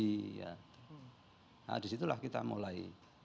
nah disitulah kita mulai